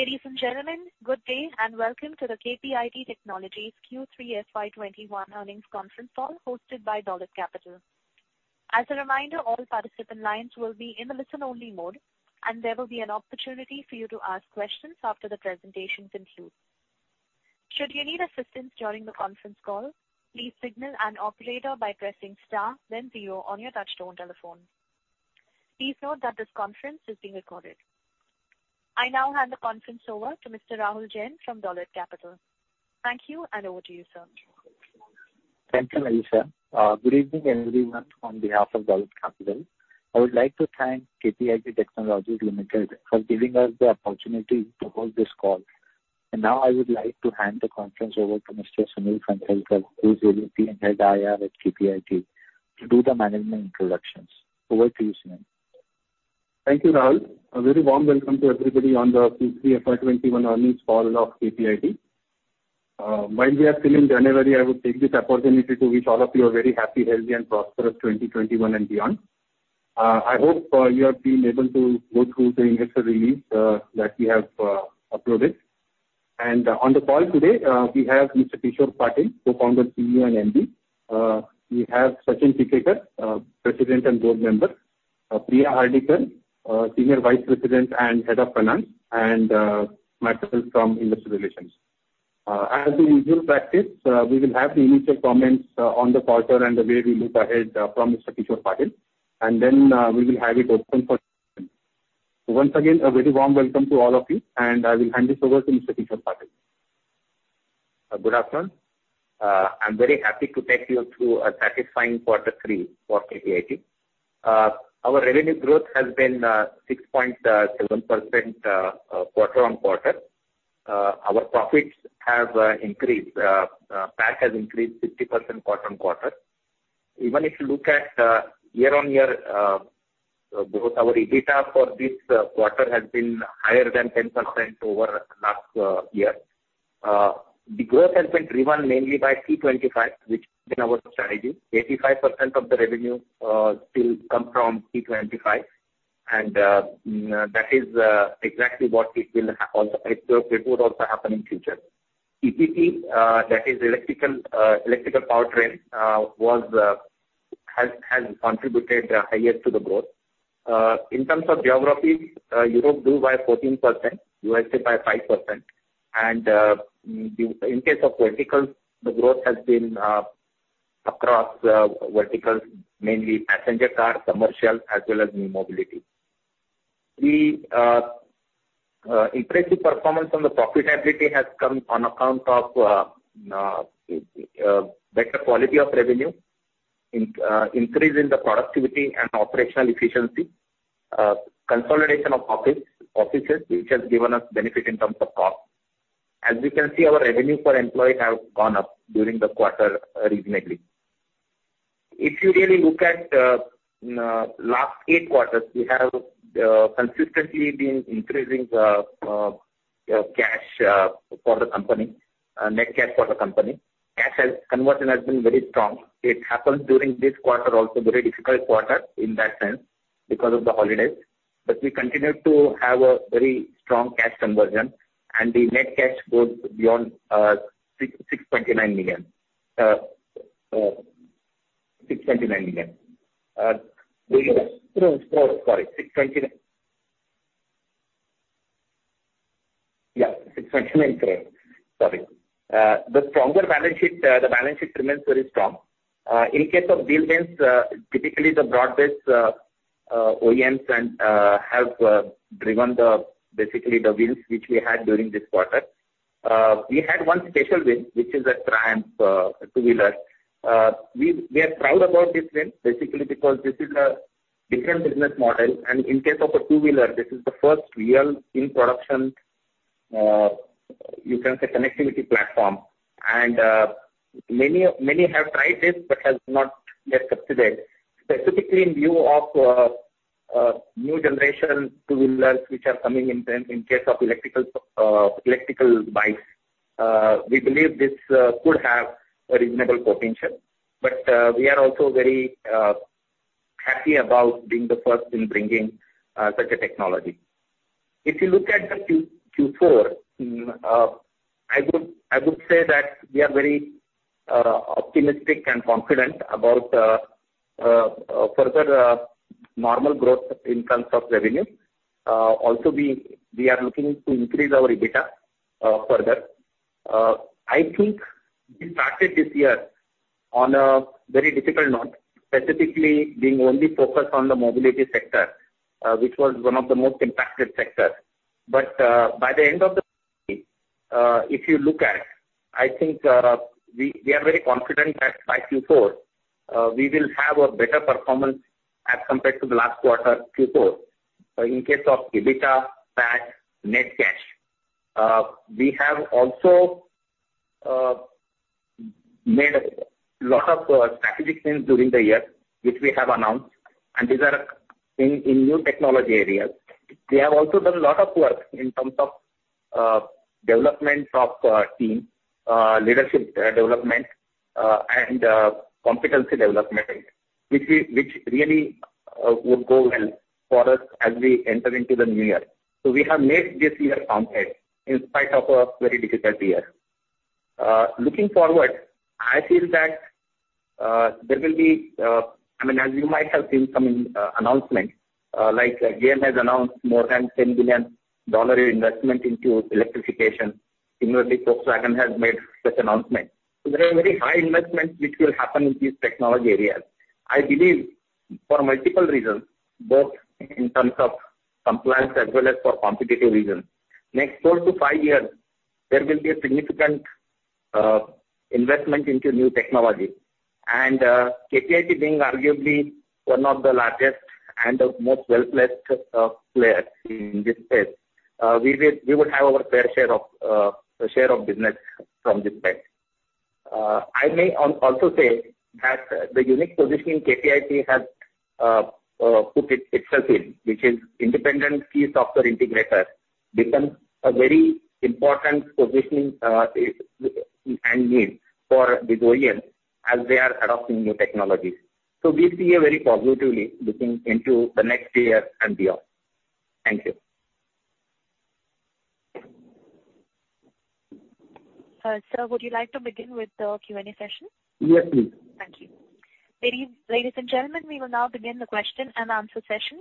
Ladies and gentlemen, good day. Welcome to the KPIT Technologies Q3 FY 2021 Earnings Conference Call hosted by Dolat Capital. As a reminder, all participant lines will be in a listen-only mode. There will be an opportunity for you to ask questions after the presentation concludes. I now hand the conference over to Mr. Rahul Jain from Dolat Capital. Thank you. Over to you, sir. Thank you, Melissa. Good evening, everyone. On behalf of Dolat Capital, I would like to thank KPIT Technologies Limited for giving us the opportunity to hold this call. Now I would like to hand the conference over to Mr. Sunil Phansalkar, who's AVP and Head of IR at KPIT, to do the management introductions. Over to you, Sunil. Thank you, Rahul. A very warm welcome to everybody on the Q3 FY 2021 Earnings Call of KPIT. While we are still in January, I would take this opportunity to wish all of you a very happy, healthy, and prosperous 2021 and beyond. I hope you have been able to go through the investor release that we have uploaded. On the call today, we have Mr. Kishor Patil, Co-founder, CEO, and MD. We have Sachin Tikekar, President and Board Member, Priya Hardikar, Senior Vice President and Head of Finance, and myself from Investor Relations. As a usual practice, we will have the initial comments on the quarter and the way we look ahead from Mr. Kishor Patil, then we will have it open for questions. Once again, a very warm welcome to all of you, I will hand this over to Mr. Kishor Patil. Good afternoon. I am very happy to take you through a satisfying quarter three for KPIT. Our revenue growth has been 6.7% quarter-on-quarter. Our profits have increased. PAT has increased 50% quarter-on-quarter. Even if you look at year-on-year growth, our EBITDA for this quarter has been higher than 10% over last year. The growth has been driven mainly by T25, which has been our strategy. 85% of the revenue still comes from T25. That is exactly what it will also happen in future. EPT, that is electric powertrain, has contributed highest to the growth. In terms of geographies, Europe grew by 14%, USA by 5%. In case of verticals, the growth has been across verticals, mainly passenger cars, commercial, as well as new mobility. The impressive performance on the profitability has come on account of better quality of revenue, increase in the productivity and operational efficiency, consolidation of offices, which has given us benefit in terms of cost. As we can see, our revenue per employee has gone up during the quarter reasonably. If you really look at last eight quarters, we have consistently been increasing the cash for the company, net cash for the company. Cash conversion has been very strong. It happened during this quarter, also very difficult quarter in that sense because of the holidays, but we continued to have a very strong cash conversion, and the net cash goes beyond 629 million. Sorry, yeah, 629 million. Sorry. The balance sheet remains very strong. In case of deal wins, typically the broadest OEMs have driven basically the wins which we had during this quarter. We had one special win, which is a Triumph two-wheeler. We are proud about this win, basically because this is a different business model, and in case of a two-wheeler, this is the first real in-production, you can say, connectivity platform. Many have tried this but have not yet succeeded, specifically in view of new generation two-wheelers, which are coming in case of electric bikes. We believe this could have a reasonable potential, but we are also very happy about being the first in bringing such a technology. If you look at the Q4, I would say that we are very optimistic and confident about further normal growth in terms of revenue. Also, we are looking to increase our EBITDA further. I think we started this year on a very difficult note, specifically being only focused on the mobility sector, which was one of the most impacted sectors. By the end of the, if you look at, I think we are very confident that by Q4, we will have a better performance as compared to the last quarter, Q4, in case of EBITDA, PAT, net cash. We have also made a lot of strategic moves during the year, which we have announced, and these are in new technology areas. We have also done a lot of work in terms of development of team, leadership development, and competency development, which really would go well for us as we enter into the new year. We have made this year competent in spite of a very difficult year. Looking forward, I feel that there will be. As you might have seen some announcements, like GM has announced more than $10 billion investment into electrification. Similarly, Volkswagen has made such announcements. There are very high investments which will happen in these technology areas. I believe, for multiple reasons, both in terms of compliance as well as for competitive reasons, next four to five years, there will be a significant investment into new technology. KPIT being arguably one of the largest and the most well-placed players in this space, we would have our fair share of business from this space. I may also say that the unique positioning KPIT has put itself in, which is independent key software integrator, becomes a very important positioning and need for these OEMs as they are adopting new technologies. We see a very positively looking into the next year and beyond. Thank you. Sir, would you like to begin with the Q&A session? Yes, please. Thank you. Ladies and gentlemen, we will now begin the question and answer session.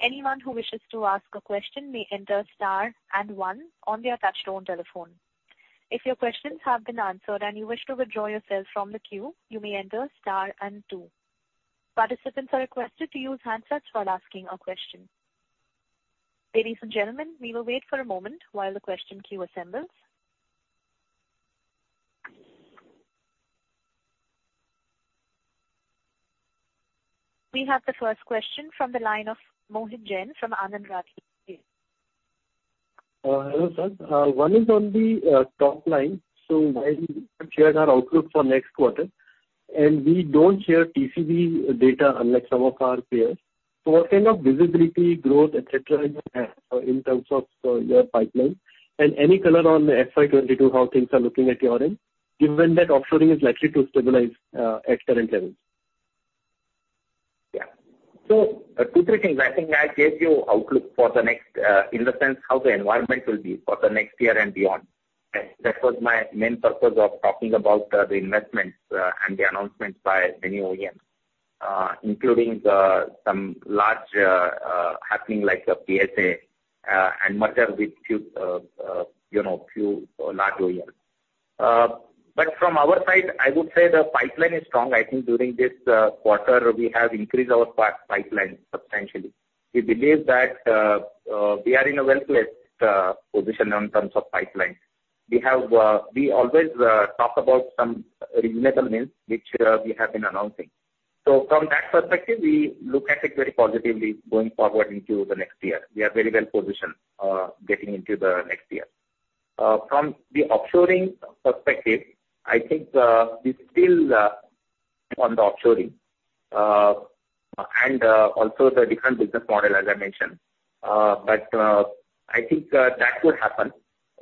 Anyone who wishes to ask a question may enter star and one on their touchtone telephone. If your questions have been answered and you wish to withdraw yourself from the queue, you may enter star and two. Participants are requested to use handsets while asking a question. Ladies and gentlemen, we will wait for a moment while the question queue assembles. We have the first question from the line of Mohit Jain from Anand Rathi. Hello, sir. One is on the top line. While you shared our outlook for next quarter, and we don't share TCV data unlike some of our peers. What kind of visibility, growth, et cetera, in terms of your pipeline, and any color on FY 2022, how things are looking at your end, given that offshoring is likely to stabilize at current levels? Two, three things. I think I gave you outlook for the next, in the sense how the environment will be for the next year and beyond. That was my main purpose of talking about the investments and the announcements by many OEMs, including some large happening like PSA and merger with few large OEMs. From our side, I would say the pipeline is strong. I think during this quarter, we have increased our pipeline substantially. We believe that we are in a well-placed position in terms of pipeline. We always talk about some reasonable wins, which we have been announcing. From that perspective, we look at it very positively going forward into the next year. We are very well-positioned getting into the next year. From the offshoring perspective, I think we still on the offshoring. Also the different business model, as I mentioned. I think that would happen.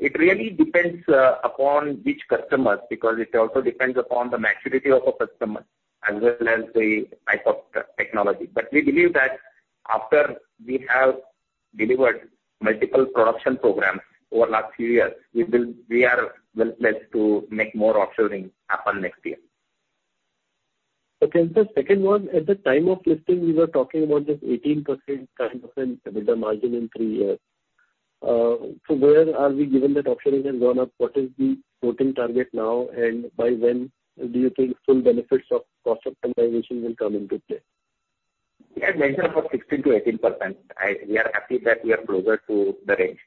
It really depends upon which customers, because it also depends upon the maturity of a customer as well as the type of technology. We believe that after we have delivered multiple production programs over last few years, we are well-placed to make more offshoring happen next year. Okay. Sir, second one. At the time of listing, we were talking about this 18%-20% EBITDA margin in three years. Where are we, given that offshoring has gone up, what is the floating target now, and by when do you think full benefits of cost optimization will come into play? We had mentioned about 16%-18%. We are happy that we are closer to the range.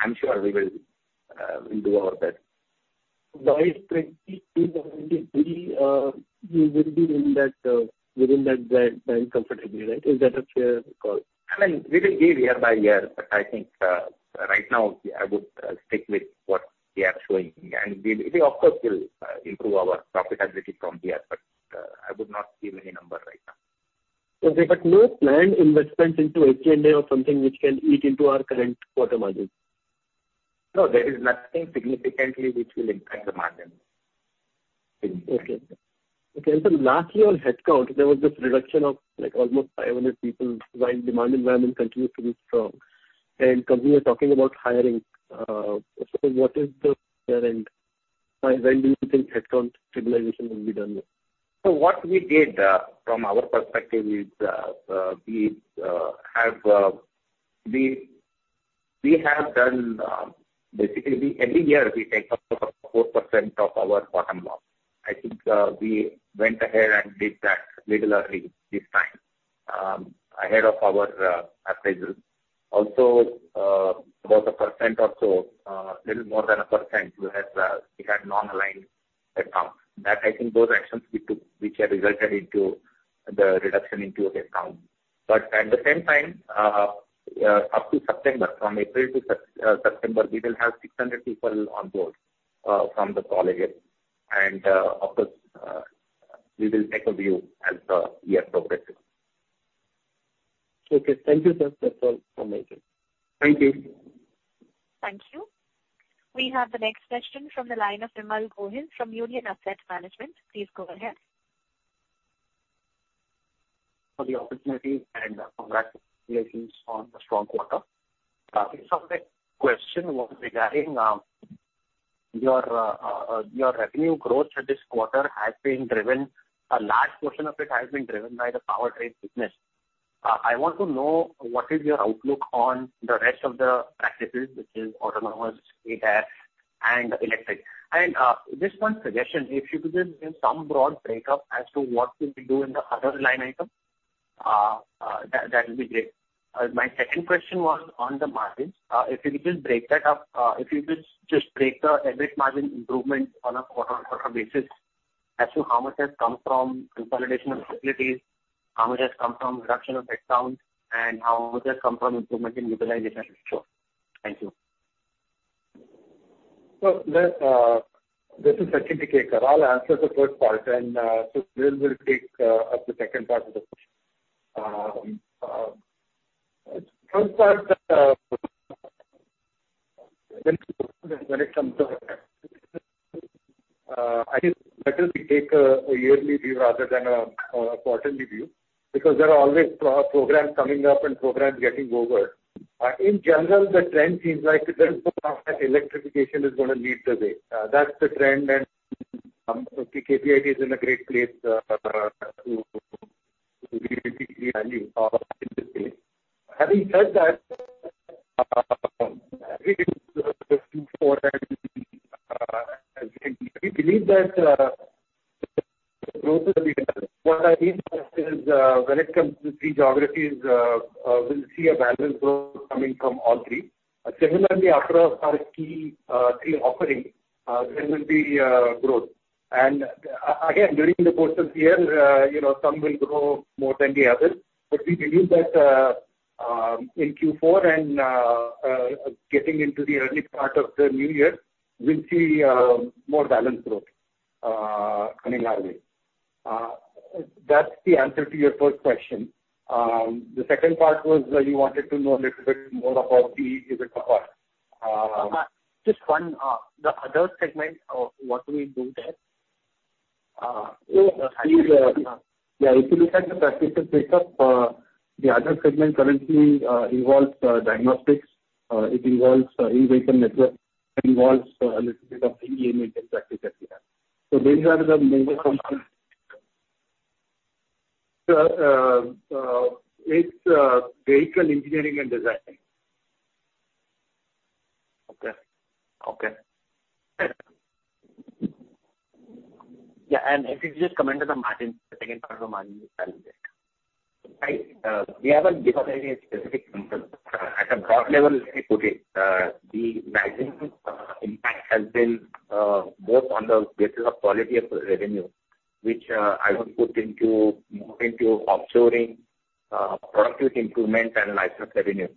I'm sure we will do our best. By 2023, you will be within that band comfortably, right? Is that a fair call? We will give year by year, but I think right now, I would stick with what we are showing. We, of course, will improve our profitability from here, but I would not give any number right now. Okay. No planned investments into M&A or something which can eat into our current quarter margin? No, there is nothing significantly which will impact the margin. Okay. Sir, lastly, on headcount, there was this reduction of almost 500 people while demand environment continues to be strong. Company was talking about hiring. What is the current, and when do you think headcount stabilization will be done there? What we did from our perspective is we have done basically every year we take 4% of our bottom mark. I think we went ahead and did that little early this time, ahead of our appraisal. Also, about 1% or so, little more than 1% we had non-aligned headcount. That I think those actions we took which have resulted into the reduction into headcount. At the same time, up to September, from April to September, we will have 600 people on board from the colleges. Of course, we will take a view as the year progresses. Okay. Thank you, sir. That's all from my end. Thank you. Thank you. We have the next question from the line of Vimal Gohil from Union Asset Management. Please go ahead. For the opportunity and congrats on the strong quarter. The question was regarding your revenue growth this quarter, a large portion of it has been driven by the powertrain business. I want to know what is your outlook on the rest of the practices, which is autonomous, ADAS, and electric. Just one suggestion, if you could just give some broad breakup as to what will we do in the other line item, that'd be great. My second question was on the margins. If you could just break the EBIT margin improvement on a quarter-on-quarter basis as to how much has come from consolidation of facilities, how much has come from reduction of headcounts, and how much has come from improvement in utilization. Sure. Thank you. This is Sachin Tikekar. I'll answer the first part and Sunil will pick up the second part of the question. First part, when it comes to I think better we take a yearly view rather than a quarterly view, because there are always programs coming up and programs getting over. In general, the trend seems like there is electrification is going to lead the way. That's the trend and KPIT is in a great place to really create value in this space. Having said that we believe that what I mean is when it comes to three geographies, we'll see a balanced growth coming from all three. Similarly, across our key three offerings, there will be growth. Again, during the course of year, some will grow more than the others. We believe that in Q4 and getting into the early part of the new year, we'll see more balanced growth coming our way. That is the answer to your first question. The second part was, you wanted to know a little bit more about the EBIT part. Just one. The other segment, what do we do there? If you look at the practices breakup, the other segment currently involves diagnostics. It involves innovation network, involves a little bit of OEM engine practice as well. Those are the major components. It's vehicle engineering and design. Okay. Yeah, if you could just comment on the second part of the margin. We haven't given any specific numbers. At a broad level, let me put it, the maximum impact has been both on the basis of quality of revenue, which I would put into more into offshoring, productive improvement and license revenue.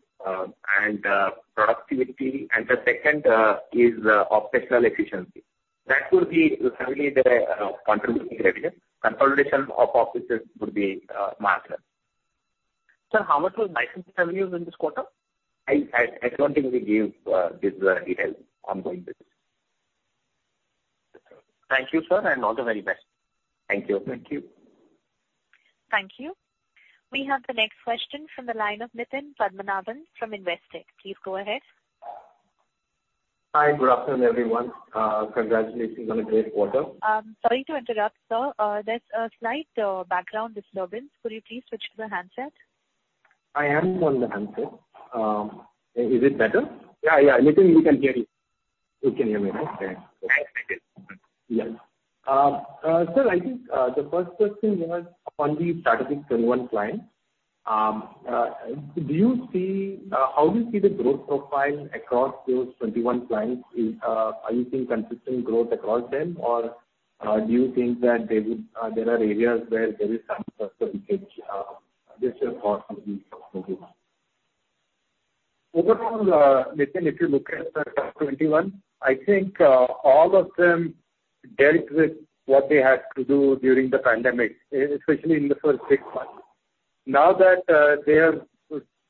Productivity, and the second is operational efficiency. That would be really the contributing revenue. Consolidation of offices would be margin. Sir, how much was license revenues in this quarter? I don't think we give this detail ongoing business. Thank you, sir, and all the very best. Thank you. Thank you. We have the next question from the line of Nitin Padmanabhan from Investec. Please go ahead. Hi. Good afternoon, everyone. Congratulations on a great quarter. Sorry to interrupt, sir. There's a slight background disturbance. Could you please switch to the handset? I am on the handset. Is it better? Yeah, yeah. Nitin, we can hear you. You can hear me now? Okay. Yes, we can. Yeah. Sir, I think the first question was upon the strategic T21 clients. How do you see the growth profile across those 21 clients? Are you seeing consistent growth across them, or do you think that there are areas where there is some cost rationalization to be done? Overall, Nitin, if you look at the top 21, I think all of them dealt with what they had to do during the pandemic, especially in the first six months. Now that they have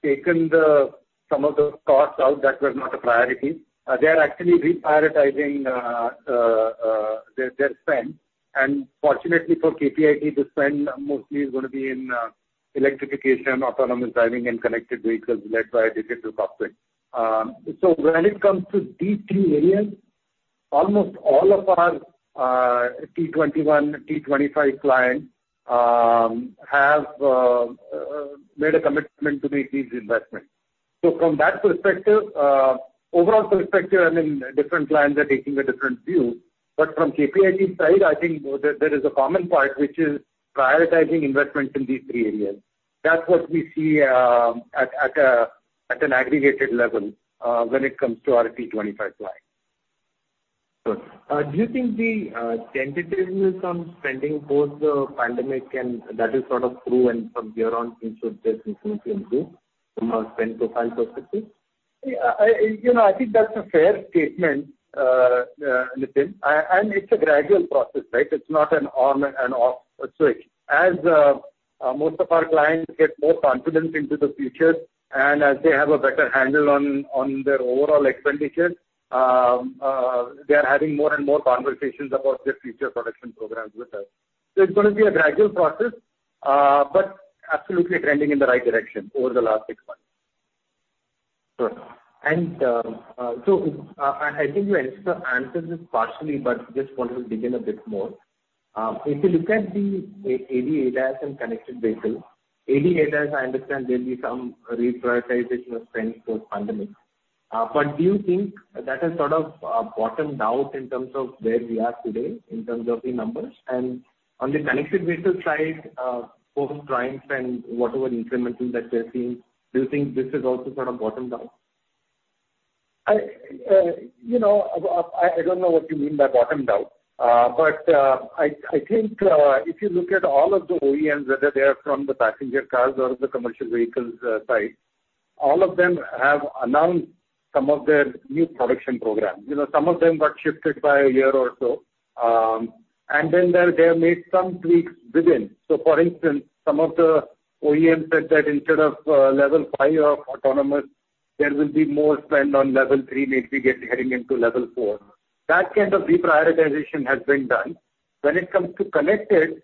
taken some of the costs out that were not a priority, they are actually reprioritizing their spend. Fortunately for KPIT, the spend mostly is going to be in electrification, autonomous driving, and connected vehicles led by digital cockpit. When it comes to these three areas, almost all of our T21, T25 clients have made a commitment to make these investments. From that perspective, overall perspective, different clients are taking a different view. From KPIT side, I think there is a common part which is prioritizing investments in these three areas. That's what we see at an aggregated level when it comes to our T-25 clients. Good. Do you think the tentative will come spending post pandemic and that is sort of through and from there on things should just improve from a spend profile perspective? I think that's a fair statement, Nitin. It's a gradual process, right? It's not an on and off switch. Most of our clients get more confidence into the future, and as they have a better handle on their overall expenditures, they are having more and more conversations about their future production programs with us. It's going to be a gradual process, but absolutely trending in the right direction over the last six months. Sure. I think you answered this partially, but just wanted to dig in a bit more. If you look at the ADAS and connected vehicles, ADAS, I understand there'll be some reprioritization of spend post-pandemic. Do you think that has sort of bottomed out in terms of where we are today, in terms of the numbers? On the connected vehicle side, both clients and whatever incremental that they're seeing, do you think this is also sort of bottomed out? I don't know what you mean by bottomed out. I think if you look at all of the OEMs, whether they are from the passenger cars or the commercial vehicles side, all of them have announced some of their new production programs. Some of them got shifted by a year or so. They have made some tweaks within. For instance, some of the OEMs said that instead of Level 5 of autonomous, there will be more spend on Level 3, maybe get heading into Level 4. That kind of reprioritization has been done. When it comes to connected,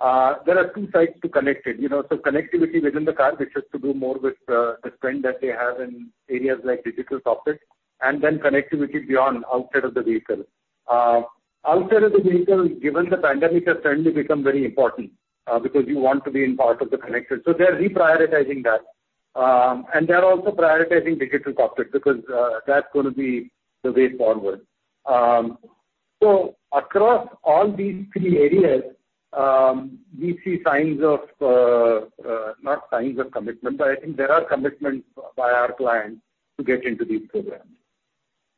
there are two sides to connected. Connectivity within the car, which has to do more with the spend that they have in areas like digital cockpit, and then connectivity beyond, outside of the vehicle. Outside of the vehicle, given the pandemic, has suddenly become very important, because you want to be in part of the connection. They're reprioritizing that. They're also prioritizing digital cockpit, because that's going to be the way forward. Across all these three areas, we see, not signs of commitment, but I think there are commitments by our clients to get into these programs.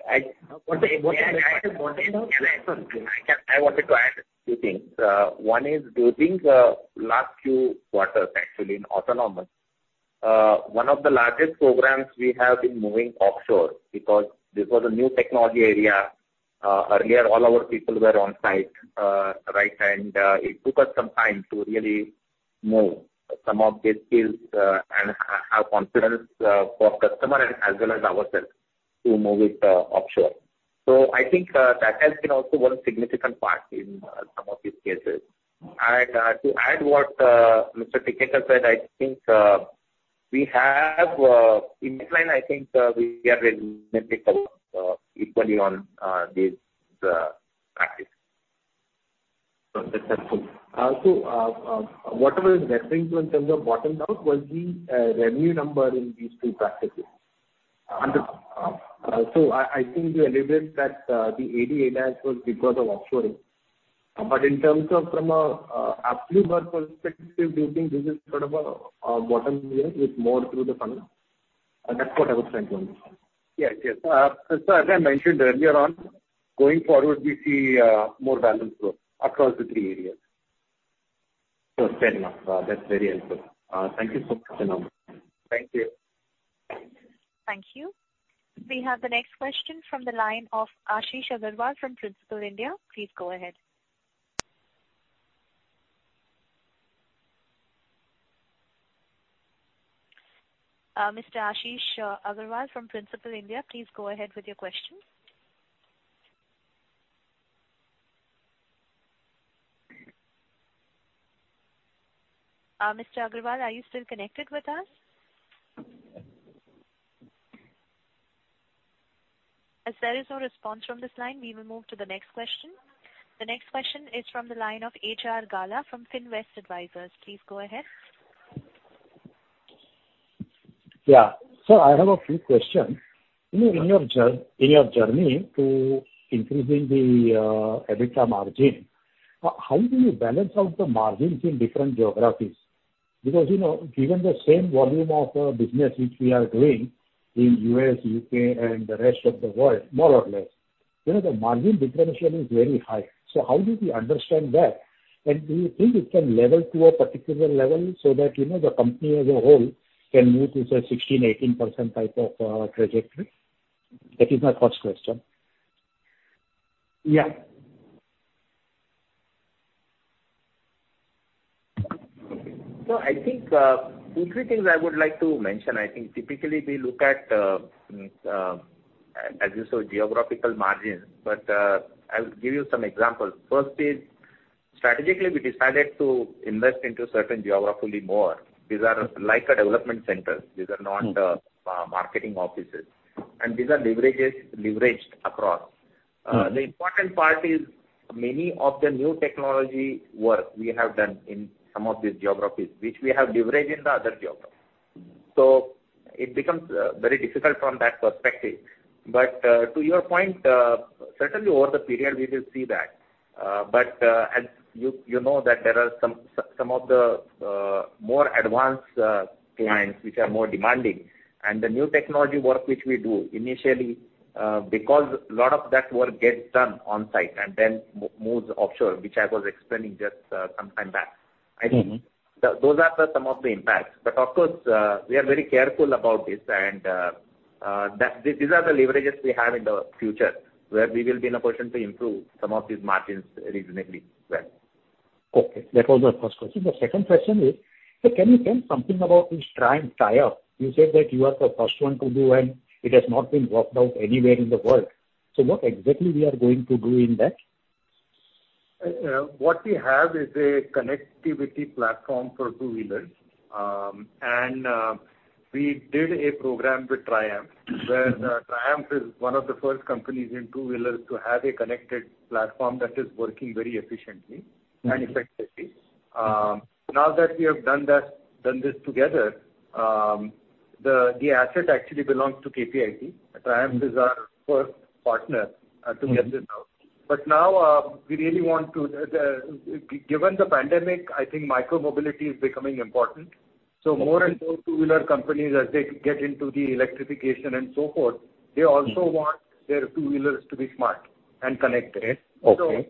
I wanted to add a few things. One is, do you think last few quarters, actually, in autonomous, one of the largest programs we have been moving offshore. This was a new technology area. Earlier, all our people were on site. Right? It took us some time to really move some of these skills and have confidence for customer and as well as ourselves to move it offshore. I think that has been also one significant part in some of these cases. To add what Mr. Tikekar said, I think we have in line, I think we are very equally on these practices. That's helpful. What I was referring to in terms of bottomed out was the revenue number in these two practices. Understood. I think you elaborated that the ADAS was because of offshoring. In terms of from an absolute work perspective, do you think this is sort of a bottom here with more through the funnel? That's what I was trying to understand. Yes. As I mentioned earlier on, going forward, we see more balanced growth across the three areas. Fair enough. That's very helpful. Thank you so much. Thank you. Thank you. We have the next question from the line of Ashish Aggarwal from Principal India. Please go ahead. Mr. Ashish Aggarwal from Principal India, please go ahead with your question. Mr. Agarwal, are you still connected with us? As there is no response from this line, we will move to the next question. The next question is from the line of H.R. Gala from Finvest Advisors. Please go ahead. Yeah. I have a few questions. In your journey to increasing the EBITDA margin, how do you balance out the margins in different geographies? Given the same volume of business which we are doing in U.S., U.K., and the rest of the world, more or less, the margin differentiation is very high. How did you understand that? Do you think it can level to a particular level so that the company as a whole can move to a 16%, 18% type of trajectory? That is my first question. Yeah. I think two, three things I would like to mention. I think typically we look at, as you saw, geographical margins. I'll give you some examples. First is, strategically, we decided to invest into certain geography more. These are like development centers. These are not marketing offices. These are leveraged across. The important part is many of the new technology work we have done in some of these geographies, which we have leveraged in the other geographies. It becomes very difficult from that perspective. To your point, certainly over the period we will see that. As you know that there are some of the more advanced clients which are more demanding. The new technology work which we do initially, because lot of that work gets done on site and then moves offshore, which I was explaining just some time back. Those are some of the impacts. Of course, we are very careful about this and these are the leverages we have in the future, where we will be in a position to improve some of these margins reasonably well. Okay. That was my first question. The second question is, can you tell something about this Triumph tie-up? You said that you are the first one to do and it has not been worked out anywhere in the world. What exactly we are going to do in that? What we have is a connectivity platform for two-wheelers, and we did a program with Triumph, where Triumph is one of the first companies in two-wheelers to have a connected platform that is working very efficiently and effectively. Now that we have done this together, the asset actually belongs to KPIT. Triumph is our first partner to get this out. Now, given the pandemic, I think micro-mobility is becoming important. More and more two-wheeler companies, as they get into the electrification and so forth, they also want their two-wheelers to be smart and connected. Right.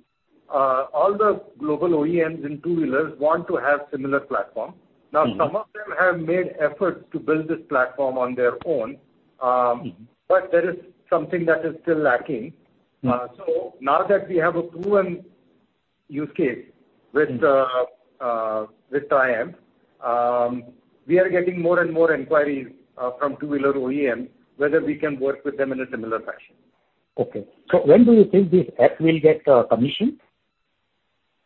Okay. All the global OEMs in two-wheelers want to have similar platform. Now, some of them have made efforts to build this platform on their own, but there is something that is still lacking. Now that we have a proven use case with Triumph, we are getting more and more inquiries from two-wheeler OEMs, whether we can work with them in a similar fashion. Okay. When do you think this app will get permission?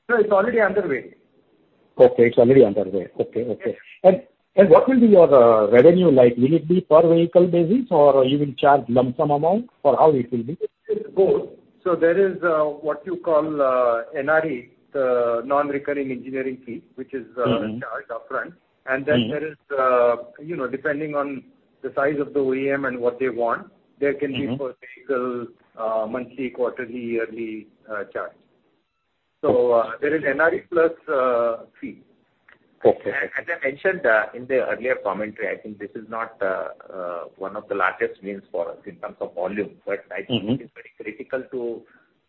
No, it's already underway. Okay, it's already underway. Okay. Yes. What will be your revenue like? Will it be per vehicle basis or you will charge lump sum amount? How it will be? It's both. There is what you call NRE, the non-recurring engineering fee, which is charged upfront. There is, depending on the size of the OEM and what they want, there can be per vehicle monthly, quarterly, yearly charge. There is NRE plus fee. Okay. As I mentioned in the earlier commentary, I think this is not one of the largest wins for us in terms of volume, but I think it is very critical to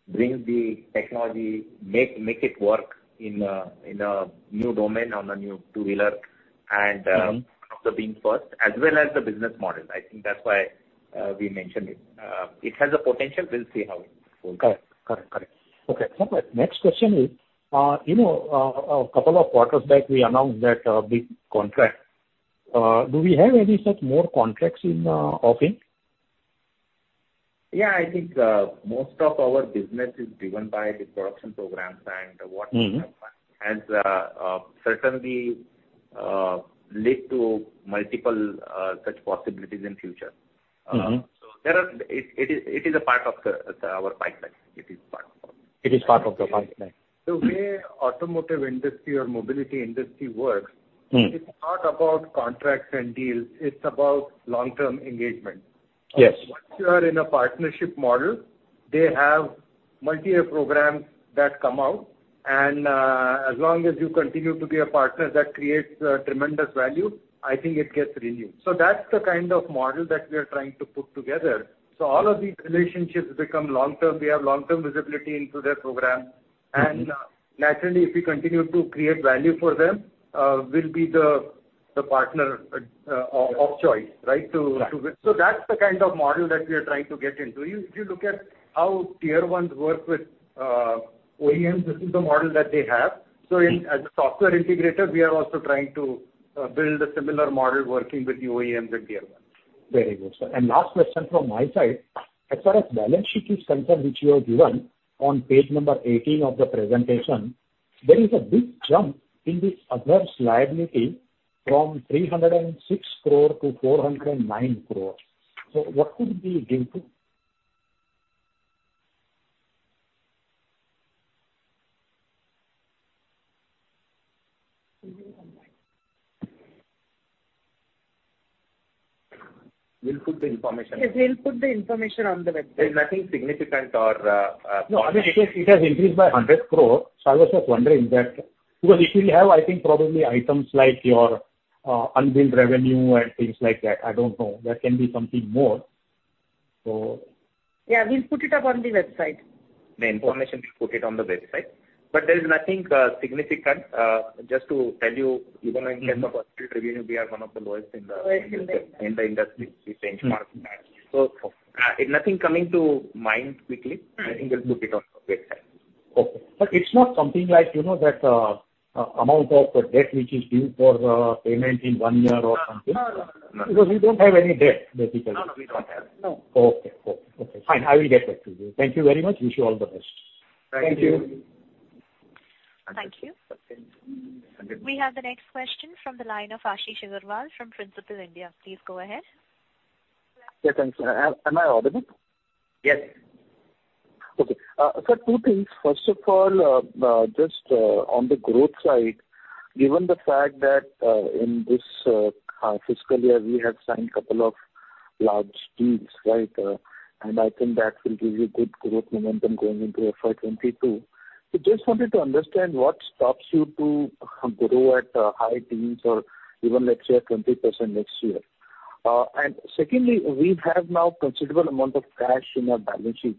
bring the technology, make it work in a new domain on a new two-wheeler and the being first, as well as the business model. I think that's why we mentioned it. It has a potential. We'll see how it goes. Correct. Okay. So my, next question is, a couple of quarters back, we announced that big contract. Do we have any such more contracts in offering? Yeah, I think most of our business is driven by the production programs and what we have has certainly led to multiple such possibilities in future. It is a part of our pipeline. It is part of the pipeline. The way automotive industry or mobility industry works, it's not about contracts and deals, it's about long-term engagement. Yes. Once you are in a partnership model, they have multi-year programs that come out, and as long as you continue to be a partner, that creates tremendous value. I think it gets renewed. That's the kind of model that we are trying to put together. All of these relationships become long-term. We have long-term visibility into their program, and naturally, if we continue to create value for them, we'll be the partner of choice, right? Right. That's the kind of model that we are trying to get into. If you look at how Tier 1s work with OEMs, this is the model that they have. As a software integrator, we are also trying to build a similar model working with the OEMs and Tier 1s. Very good, sir. Last question from my side. As far as balance sheet is concerned, which you have given on page number 18 of the presentation, there is a big jump in this other liability from 306 crore to 409 crore. What could be the reason? We'll put the information. Yes, we'll put the information on the website. There's nothing significant. No, I mean, it has increased by 100 crore, I was just wondering that, usually you have, I think, probably items like your unbilled revenue and things like that. I don't know. There can be something more. Yeah, we'll put it up on the website. The information, we'll put it on the website. There is nothing significant. Just to tell you, even in case of unbilled revenue, we are one of the lowest in the. Lowest in the industry. in the industry, we benchmark that. Nothing coming to mind quickly. I think we'll put it on the website. Okay. It's not something like that amount of debt which is due for payment in one year or something? No. You don't have any debt, basically. No, we don't have. No. Okay. Fine. I will get back to you. Thank you very much. Wish you all the best. Thank you. Thank you. We have the next question from the line of Ashish Aggarwal from Principal India. Please go ahead. Yeah, thanks. Am I audible? Yes. Okay. Sir, two things. First of all, just on the growth side, given the fact that in this fiscal year, we have signed couple of large deals, right? I think that will give you good growth momentum going into FY 2022. Just wanted to understand what stops you to grow at high teens or even let's say, 20% next year. Secondly, we have now considerable amount of cash in our balance sheet.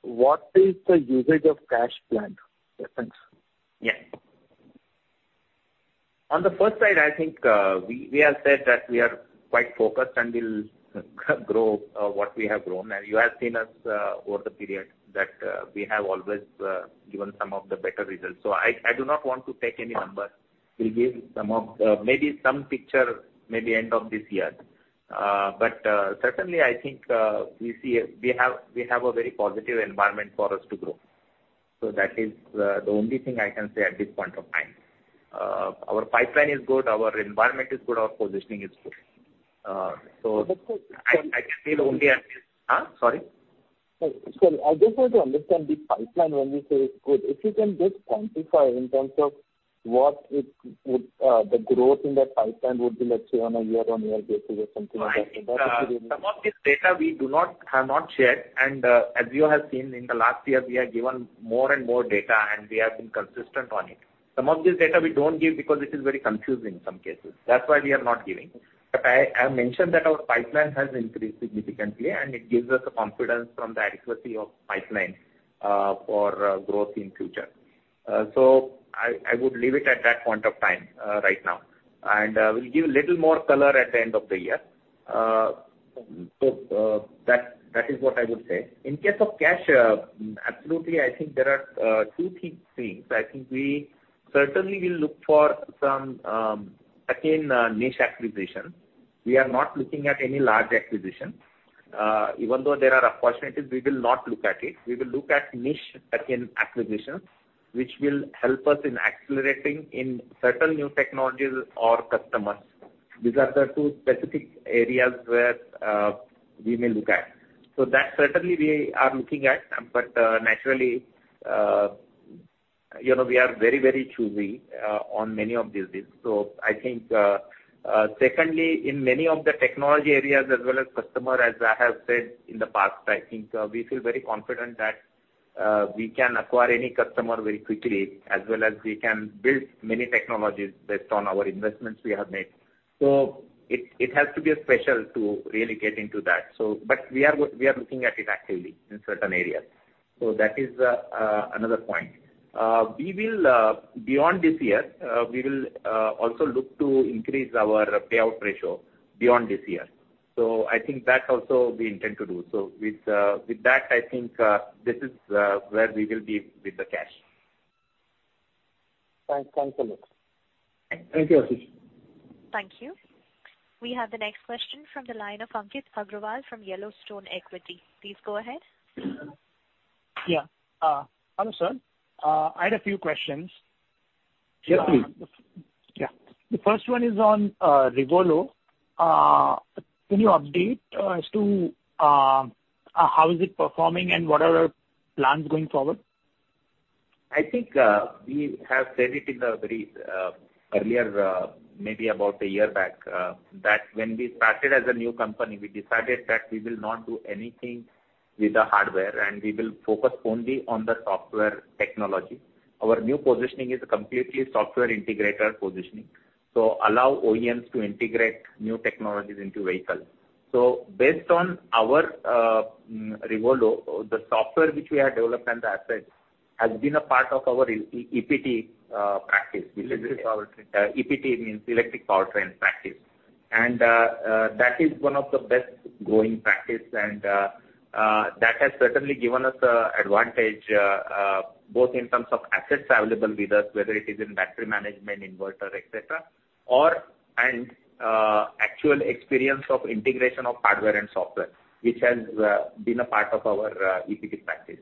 What is the usage of cash plan? Yeah, thanks. On the first side, I think we have said that we are quite focused and we'll grow what we have grown. You have seen us over the period that we have always given some of the better results. I do not want to take any numbers. We'll give maybe some picture maybe end of this year. Certainly, I think we have a very positive environment for us to grow. That is the only thing I can say at this point of time. Our pipeline is good, our environment is good, our positioning is good. But- Sorry? Sir, I just want to understand the pipeline, when you say it's good, if you can just quantify in terms of what the growth in that pipeline would be, let's say, on a year-on-year basis or something like that? Some of this data we have not shared, and as you have seen in the last year, we have given more and more data, and we have been consistent on it. Some of this data we don't give because it is very confusing in some cases. That's why we are not giving. I mentioned that our pipeline has increased significantly, and it gives us the confidence from the adequacy of pipeline for growth in future. I would leave it at that point of time right now, and we'll give a little more color at the end of the year. That is what I would say. In case of cash, absolutely, I think there are two things. I think we certainly will look for some niche acquisitions. We are not looking at any large acquisition. Even though there are opportunities, we will not look at it. We will look at niche acquisitions, which will help us in accelerating in certain new technologies or customers. These are the two specific areas where we may look at. That certainly we are looking at, but naturally we are very choosy on many of these deals. I think secondly, in many of the technology areas as well as customer, as I have said in the past, I think we feel very confident that we can acquire any customer very quickly as well as we can build many technologies based on our investments we have made. It has to be special to really get into that. We are looking at it actively in certain areas. That is another point. Beyond this year, we will also look to increase our payout ratio beyond this year. I think that also we intend to do. With that, I think this is where we will be with the cash. Thanks a lot. Thank you. Thank you, Ashish. Thank you. We have the next question from the line of Ankit Agrawal from Yellowstone Equity. Please go ahead. Yeah. Hello, sir. I had a few questions. Yes, please. Yeah. The first one is on REVOLO. Can you update as to how is it performing and what are our plans going forward? I think we have said it in the very earlier, maybe about a year back, that when we started as a new company, we decided that we will not do anything with the hardware, we will focus only on the software technology. Our new positioning is a completely software integrator positioning. Allow OEMs to integrate new technologies into vehicles. Based on our REVOLO, the software which we have developed and the assets has been a part of our EPT practice. EPT? EPT means electric powertrain practice. That is one of the best growing practice, and that has certainly given us an advantage both in terms of assets available with us, whether it is in battery management, inverter, et cetera, and actual experience of integration of hardware and software, which has been a part of our EPT practice.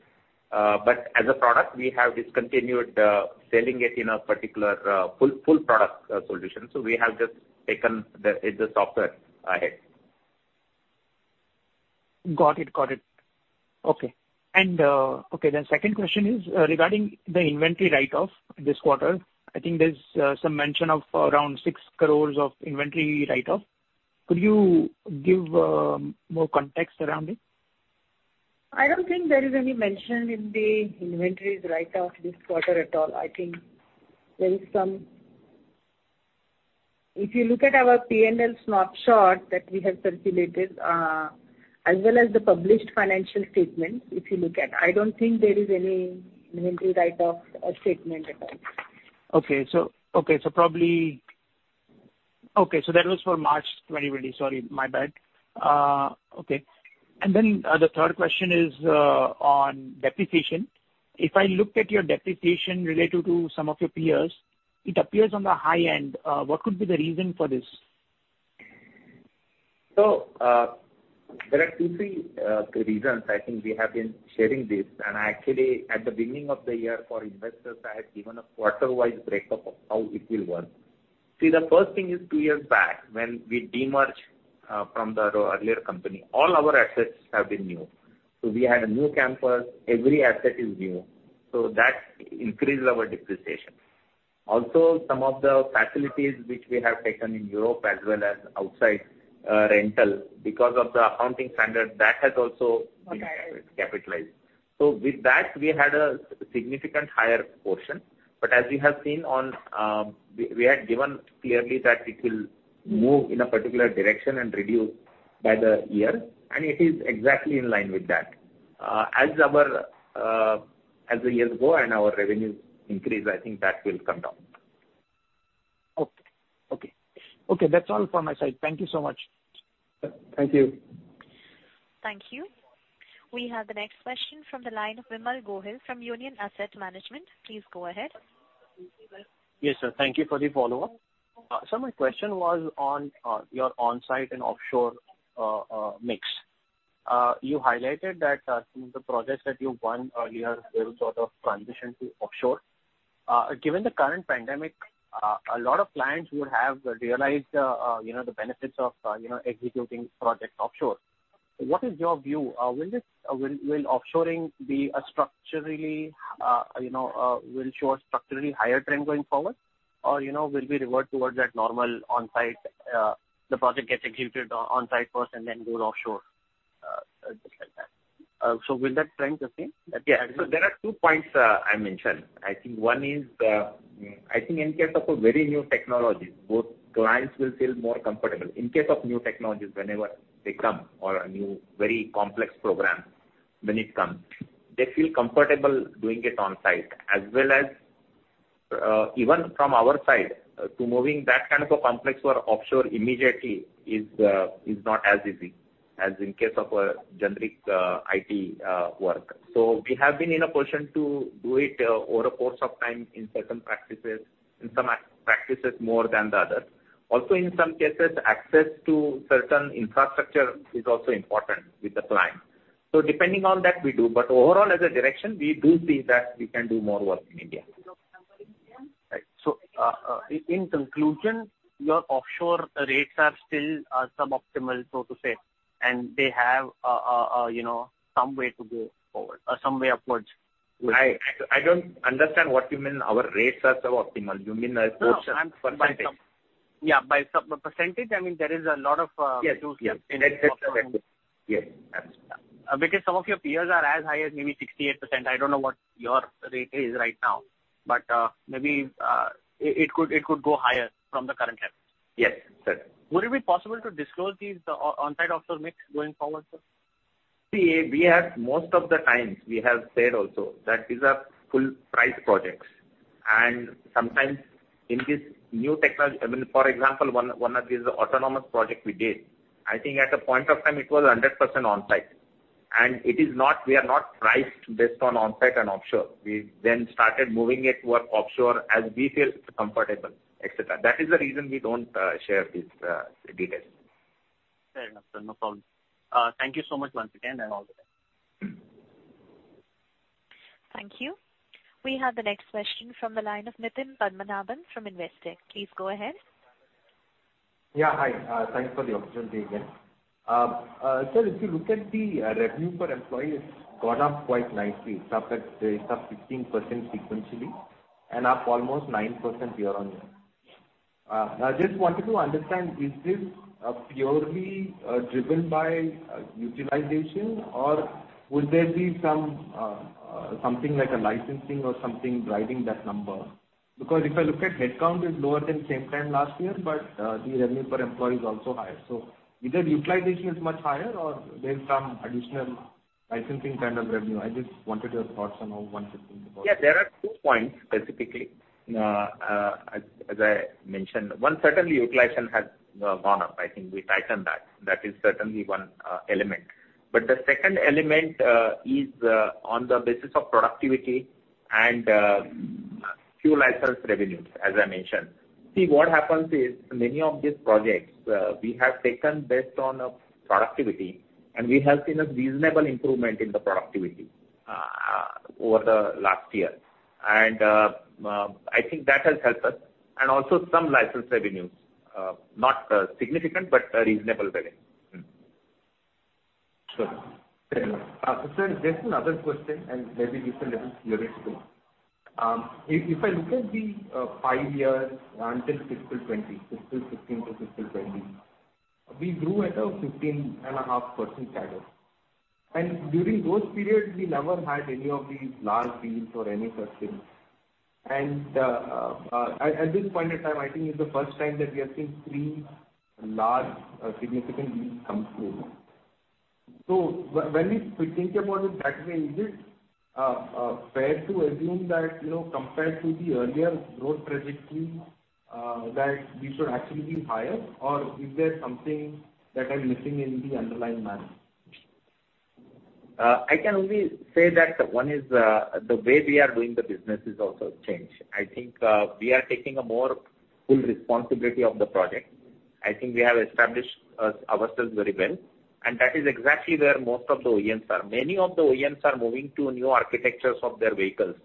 As a product, we have discontinued selling it in a particular full product solution. We have just taken the software ahead. Got it. Okay. Second question is regarding the inventory write-off this quarter. I think there's some mention of around 6 crore of inventory write-off. Could you give more context around it? I don't think there is any mention in the inventories write-off this quarter at all. If you look at our P&L snapshot that we have circulated as well as the published financial statements, I don't think there is any inventory write-off statement at all. Okay. That was for March 2020. Sorry, my bad. Okay. The third question is on depreciation. If I looked at your depreciation related to some of your peers, it appears on the high end. What could be the reason for this? There are two, three reasons. I think we have been sharing this, and actually at the beginning of the year for investors, I had given a quarter-wise breakup of how it will work. The first thing is two years back, when we de-merged from the earlier company, all our assets have been new. We had a new campus. Every asset is new. That increased our depreciation. Also, some of the facilities which we have taken in Europe as well as outside rental, because of the accounting standard, that has also been capitalized. With that, we had a significant higher portion. As you have seen, we had given clearly that it will move in a particular direction and reduce by the year, and it is exactly in line with that. As the years go and our revenue increase, I think that will come down. Okay. That's all from my side. Thank you so much. Thank you. Thank you. We have the next question from the line of Vimal Gohil from Union Asset Management. Please go ahead. Yes, sir. Thank you for the follow-up. Sir, my question was on your on-site and offshore mix. You highlighted that some of the projects that you won earlier will transition to offshore. Given the current pandemic, a lot of clients would have realized the benefits of executing projects offshore. What is your view? Will offshoring show a structurally higher trend going forward? Or will we revert towards that normal on-site, the project gets executed on-site first and then goes offshore, things like that. Will that trend continue? Yeah. There are two points I mention. I think one is, in case of a very new technology, both clients will feel more comfortable. In case of new technologies, whenever they come or a new very complex program, when it comes, they feel comfortable doing it on-site, as well as even from our side, to moving that kind of a complex to our offshore immediately is not as easy as in case of a generic IT work. We have been in a position to do it over a course of time in certain practices, in some practices more than the others. In some cases, access to certain infrastructure is also important with the client. Depending on that, we do. Overall, as a direction, we do see that we can do more work in India. Right. In conclusion, your offshore rates are still suboptimal, so to say, and they have some way upwards. I don't understand what you mean our rates are suboptimal. You mean our offshore percentage? Yeah. By percentage, I mean there is a lot of- Yes. -room. Yes, absolutely. Some of your peers are as high as maybe 68%. I don't know what your rate is right now, but maybe it could go higher from the current level. Yes, certainly. Would it be possible to disclose these on-site offshore mix going forward, sir? See, most of the times we have said also that these are full price projects. Sometimes in this new technology, for example, one of these autonomous project we did, I think at a point of time it was 100% on-site. We are not priced based on on-site and offshore. We then started moving it toward offshore as we feel it's comfortable, et cetera. That is the reason we don't share these details. Fair enough, sir. No problem. Thank you so much once again and have a good day. Thank you. We have the next question from the line of Nitin Padmanabhan from Investec. Please go ahead. Yeah, hi. Thanks for the opportunity again. Sir, if you look at the revenue per employee, it's gone up quite nicely. It's up 15% sequentially and up almost 9% year-on-year. I just wanted to understand, is this purely driven by utilization or would there be something like a licensing or something driving that number? If I look at headcount, it's lower than same time last year, but the revenue per employee is also higher. Either utilization is much higher or there's some additional licensing kind of revenue. I just wanted your thoughts on those ones. Yeah, there are two points specifically. As I mentioned, one, certainly utilization has gone up. I think we tightened that. That is certainly one element. The second element is on the basis of productivity and few license revenues, as I mentioned. See, what happens is, many of these projects, we have taken based on productivity, and we have seen a reasonable improvement in the productivity over the last year. I think that has helped us. Also some license revenues, not significant, but reasonable revenue. Sure. Fair enough. Sir, just another question, maybe this a little related to. If I look at the five years until FY 2020, FY 2016 to FY 2020, we grew at a 15.5% CAGR. During those periods, we never had any of these large deals or any such things. At this point of time, I think it's the first time that we are seeing three large significant deals come through. When we think about it that way, is it fair to assume that compared to the earlier growth trajectory, that we should actually be higher? Or is there something that I'm missing in the underlying math? I can only say that one is the way we are doing the business is also changed. I think we are taking a more full responsibility of the project. I think we have established ourselves very well. That is exactly where most of the OEMs are. Many of the OEMs are moving to new architectures of their vehicles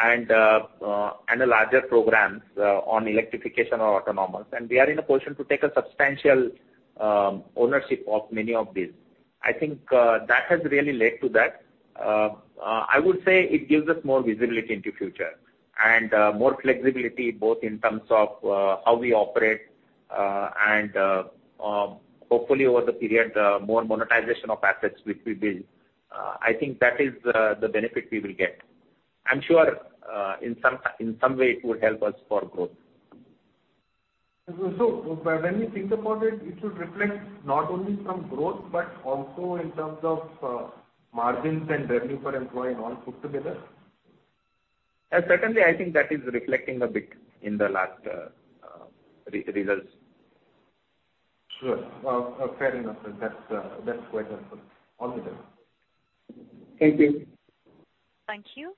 and larger programs on electrification or autonomous, and we are in a position to take a substantial ownership of many of these. I think that has really led to that. I would say it gives us more visibility into future and more flexibility both in terms of how we operate and hopefully over the period, more monetization of assets which we build. I think that is the benefit we will get. I'm sure in some way it would help us for growth When we think about it should reflect not only some growth, but also in terms of margins and revenue per employee and all put together? Yes, certainly, I think that is reflecting a bit in the last results. Sure. Fair enough, sir. That's quite helpful. All good, then. Thank you. Thank you.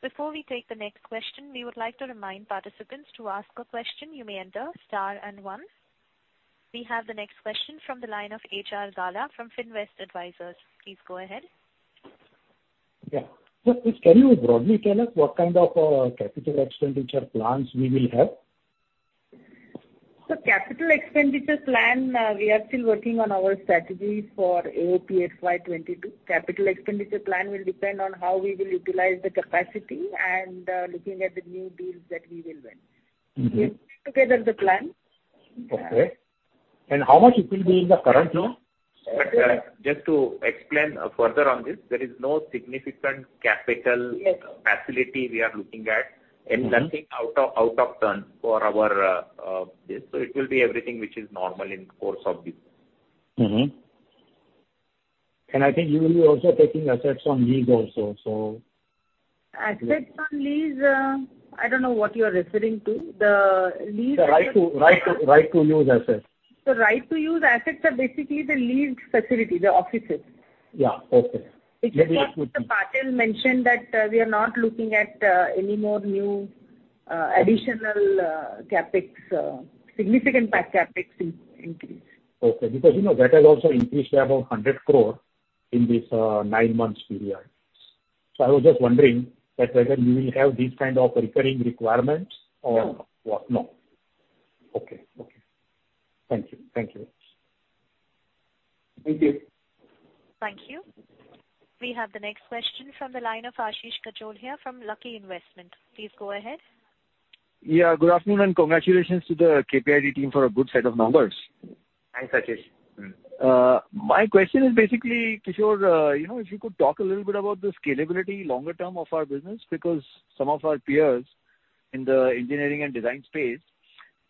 Before we take the next question, we would like to remind participants to ask a question, you may enter star and one. We have the next question from the line of H.R. Gala from Finvest Advisors. Please go ahead. Yeah. Sir, please can you broadly tell us what kind of capital expenditure plans we will have? Sir, capital expenditure plan, we are still working on our strategies for AOP FY 2022. Capital expenditure plan will depend on how we will utilize the capacity and looking at the new deals that we will win. We will put together the plan. Okay. How much it will be in the current year? Just to explain further on this, there is no significant capital- Yes facility we are looking at Nothing out of turn for our base. It will be everything which is normal in the course of business. Mm-hmm. I think you will be also taking assets on lease also. Assets on lease, I don't know what you are referring to. The lease assets- The right to use assets. The right to use assets are basically the leased facility, the offices. Yeah. Okay. Let me ask you this. It's just that Mr. Patil mentioned that we are not looking at any more new additional CapEx, significant CapEx increase. Okay. That has also increased to about 100 crore in this nine months period. I was just wondering that whether you will have these kind of recurring requirements? No. What? No. Okay. Thank you. Thank you. Thank you. We have the next question from the line of Ashish Kacholia from Lucky Investment. Please go ahead. Yeah. Good afternoon. Congratulations to the KPIT team for a good set of numbers. Thanks, Ashish. My question is basically, Kishor, if you could talk a little bit about the scalability longer term of our business, because some of our peers in the engineering and design space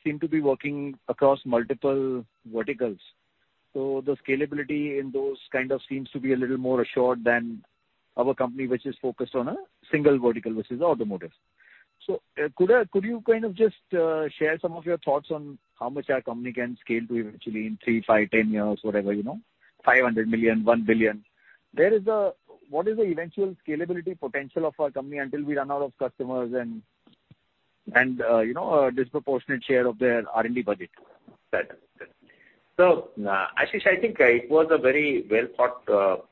seem to be working across multiple verticals. The scalability in those kind of seems to be a little more assured than our company, which is focused on a single vertical, which is automotive. Could you kind of just share some of your thoughts on how much our company can scale to eventually in three, five, 10 years, whatever, 500 million, 1 billion. What is the eventual scalability potential of our company until we run out of customers and a disproportionate share of their R&D budget? Right. Ashish, I think it was a very well-thought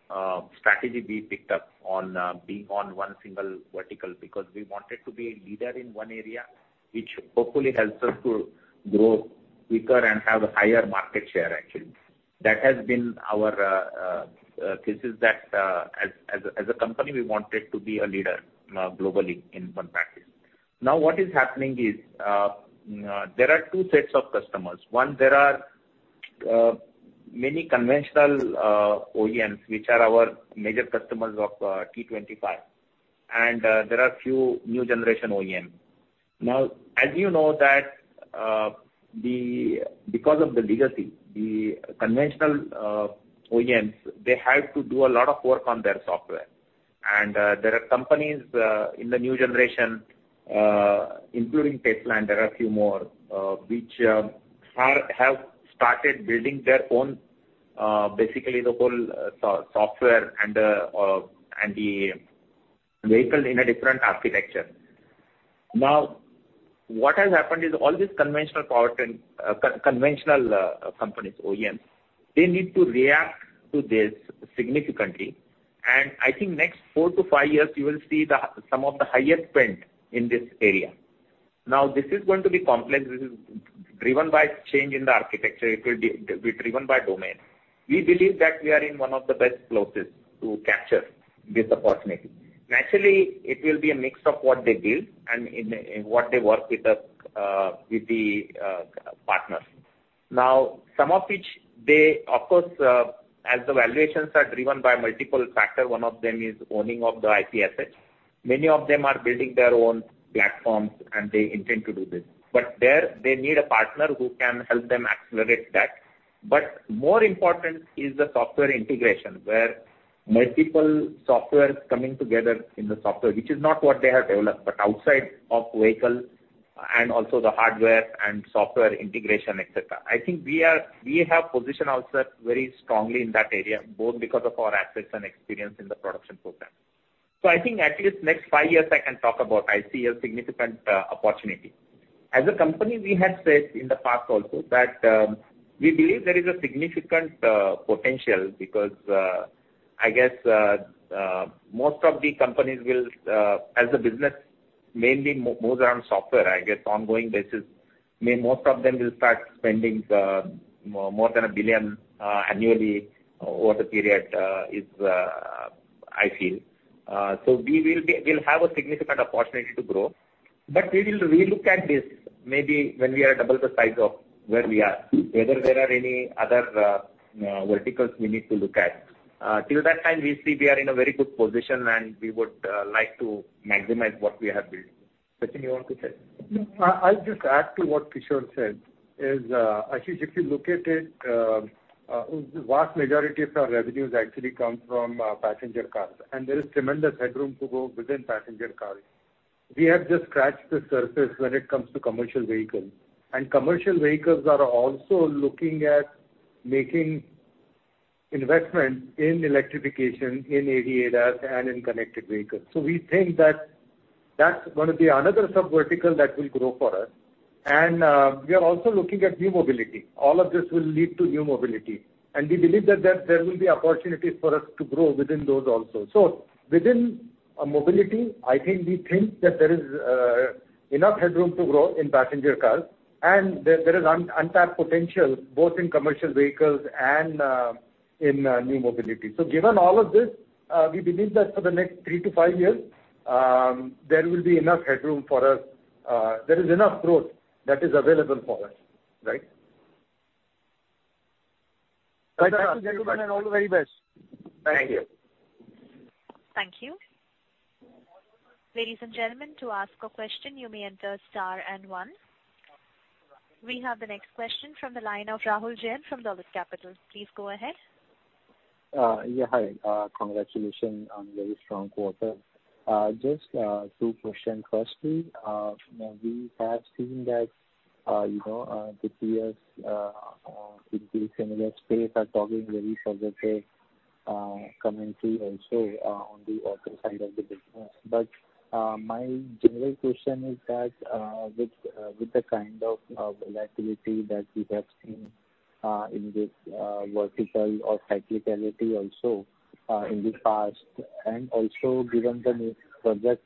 strategy we picked up on being on one single vertical because we wanted to be a leader in one area, which hopefully helps us to grow quicker and have a higher market share, actually. That has been our thesis that as a company, we wanted to be a leader globally in one package. What is happening is, there are two sets of customers. One, there are many conventional OEMs, which are our major customers of T25, and there are few new generation OEM. As you know that because of the legacy, the conventional OEMs, they had to do a lot of work on their software. There are companies in the new generation, including Tesla, and there are a few more, which have started building their own, basically the whole software and the vehicle in a different architecture. What has happened is all these conventional companies, OEMs, they need to react to this significantly. I think next four to five years, you will see some of the highest spend in this area. This is going to be complex. This is driven by change in the architecture. It will be driven by domain. We believe that we are in one of the best places to capture this opportunity. It will be a mix of what they build and what they work with the partners. Some of which they, of course, as the valuations are driven by multiple factor, one of them is owning of the IP assets. Many of them are building their own platforms, and they intend to do this. There, they need a partner who can help them accelerate that. More important is the software integration, where multiple software is coming together in the software, which is not what they have developed, but outside of vehicle and also the hardware and software integration, et cetera. I think we have positioned ourselves very strongly in that area, both because of our assets and experience in the production program. I think at least next five years, I can talk about, I see a significant opportunity. As a company, we had said in the past also that we believe there is a significant potential because I guess most of the companies will, as the business mainly moves around software, I guess ongoing basis, most of them will start spending more than 1 billion annually over the period, I feel. We'll have a significant opportunity to grow. We will re-look at this maybe when we are double the size of where we are, whether there are any other verticals we need to look at. Till that time, we see we are in a very good position, and we would like to maximize what we have built. Something you want to say? No. I'll just add to what Kishor said, is, Ashish, if you look at it, vast majority of our revenues actually come from passenger cars. There is tremendous headroom to go within passenger cars. We have just scratched the surface when it comes to commercial vehicles. Commercial vehicles are also looking at making investment in electrification, in ADAS, and in connected vehicles. We think that's going to be another sub-vertical that will grow for us. We are also looking at new mobility. All of this will lead to new mobility. We believe that there will be opportunities for us to grow within those also. Within mobility, I think we think that there is enough headroom to grow in passenger cars. There is untapped potential both in commercial vehicles and in new mobility. Given all of this, we believe that for the next three to five years, there will be enough headroom for us. There is enough growth that is available for us. Right? Thank you. Thank you gentlemen, and all the very best. Thank you. Thank you. Ladies and gentlemen, to ask a question, you may enter star and one. We have the next question from the line of Rahul Jain from Dolat Capital. Please go ahead. Yeah. Hi. Congratulations on very strong quarter. Just two questions. Firstly, we have seen that the peers in the similar space are talking very positively, coming to you also on the auto side of the business. My general question is that, with the kind of volatility that we have seen in this vertical or cyclicality also in the past, and also given the project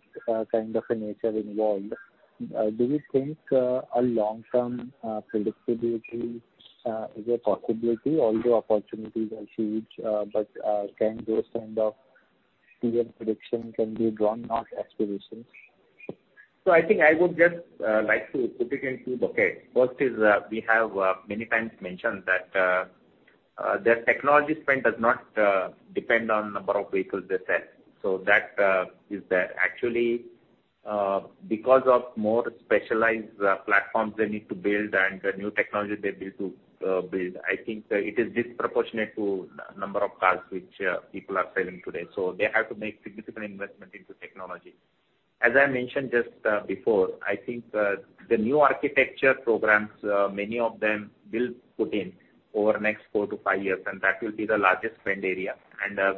kind of a nature involved, do you think a long-term predictability is a possibility? Although opportunities are huge, but can those kind of clear prediction can be drawn, not aspirations? I think I would just like to put it into buckets. First is, we have many times mentioned that their technology spend does not depend on number of vehicles they sell. That is there. Actually, because of more specialized platforms they need to build and the new technology they build, I think it is disproportionate to number of cars which people are selling today. They have to make significant investment into technology. As I mentioned just before, I think the new architecture programs, many of them will put in over next four to five years, and that will be the largest spend area.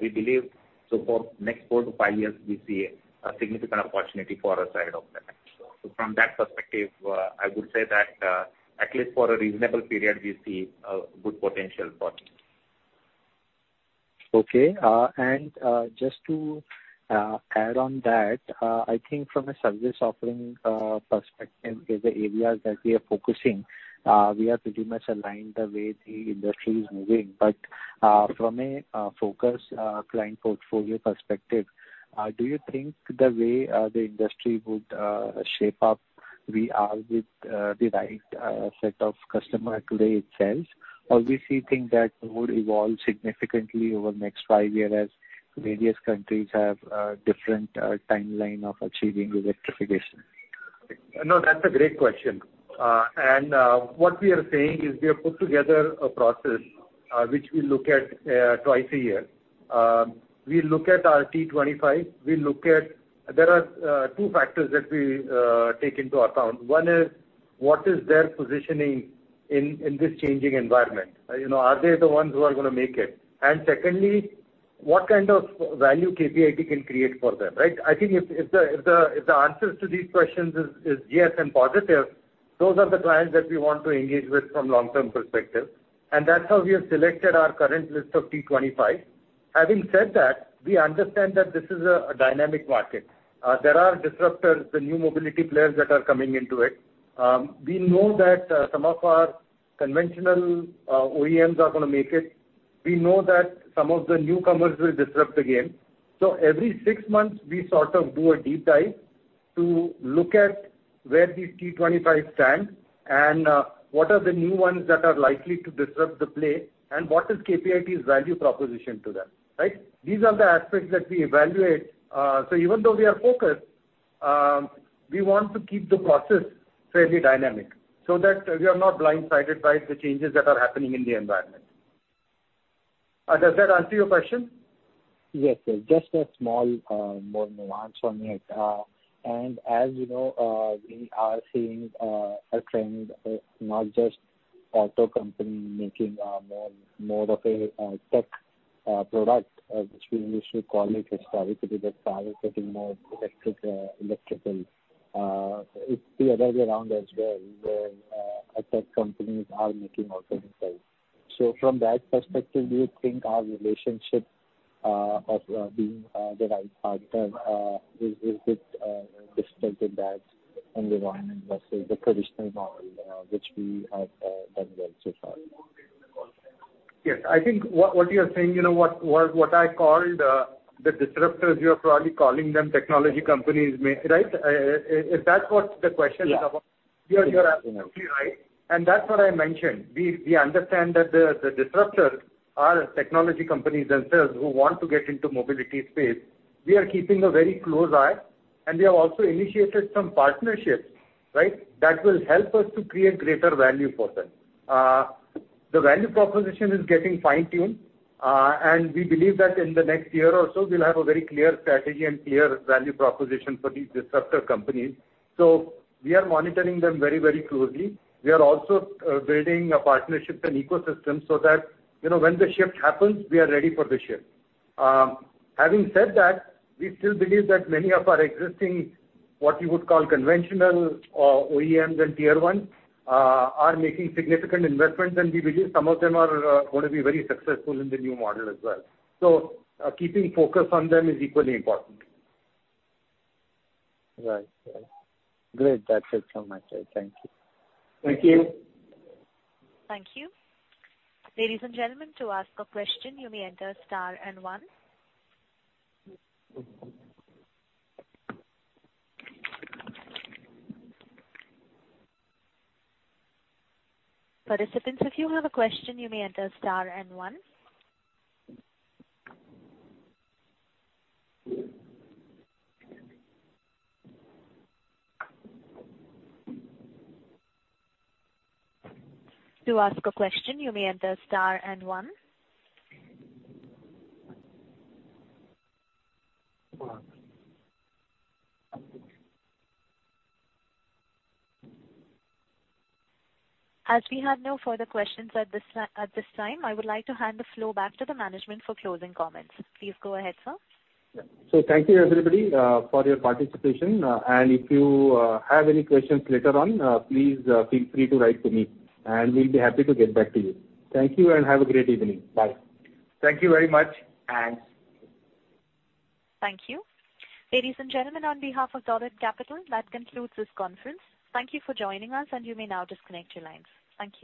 We believe, for next four to five years, we see a significant opportunity for our side of the house. From that perspective, I would say that, at least for a reasonable period, we see a good potential for it. Okay. Just to add on that, I think from a service offering perspective is the areas that we are focusing, we are pretty much aligned the way the industry is moving. From a focus client portfolio perspective, do you think the way the industry would shape up, we are with the right set of customer today itself? We see things that would evolve significantly over the next five years as various countries have different timeline of achieving electrification? No, that's a great question. What we are saying is we have put together a process, which we look at twice a year. We look at our T25. There are two factors that we take into account. One is, what is their positioning in this changing environment? Are they the ones who are gonna make it? Secondly, what kind of value KPIT can create for them, right? I think if the answers to these questions is yes and positive, those are the clients that we want to engage with from long-term perspective. That's how we have selected our current list of T25. Having said that, we understand that this is a dynamic market. There are disruptors, the new mobility players that are coming into it. We know that some of our conventional OEMs are gonna make it. We know that some of the newcomers will disrupt the game. Every six months, we sort of do a deep dive to look at where these T25 stand, and what are the new ones that are likely to disrupt the play, and what is KPIT's value proposition to them, right? These are the aspects that we evaluate. Even though we are focused, we want to keep the process fairly dynamic so that we are not blindsided by the changes that are happening in the environment. Does that answer your question? Yes, sir. Just a small more nuance from here. As you know, we are seeing a trend of not just auto company making more of a tech product, which we used to call it historically, but car is getting more electrical. It's the other way around as well, where a tech companies are making autos inside. From that perspective, do you think our relationship of being the right partner, is it disrupted that environment versus the traditional model, which we have done well so far? Yes. I think what you are saying, what I called the disruptors, you are probably calling them technology companies, right? Is that what the question is about? You're absolutely right, and that's what I mentioned. We understand that the disruptors are technology companies themselves who want to get into mobility space. We are keeping a very close eye, and we have also initiated some partnerships that will help us to create greater value for them. The value proposition is getting fine-tuned, and we believe that in the next year or so, we'll have a very clear strategy and clear value proposition for these disruptor companies. We are monitoring them very closely. We are also building a partnership and ecosystem so that when the shift happens, we are ready for the shift. Having said that, we still believe that many of our existing, what you would call conventional OEMs and Tier 1s, are making significant investments, and we believe some of them are going to be very successful in the new model as well. Keeping focus on them is equally important. Right. Great. That's it from my side. Thank you. Thank you. Thank you. Ladies and gentlemen, as we have no further questions at this time, I would like to hand the floor back to the management for closing comments. Please go ahead, sir. Thank you everybody for your participation, and if you have any questions later on, please feel free to write to me, and we'll be happy to get back to you. Thank you and have a great evening. Bye. Thank you very much. Thanks. Thank you. Ladies and gentlemen, on behalf of Dolat Capital, that concludes this conference. Thank you for joining us and you may now disconnect your lines. Thank you.